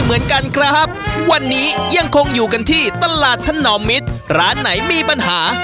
เหมือนกันครับวันนี้ยังคงอยู่กันที่ตลาดถนอมมิตรร้านไหนมีปัญหา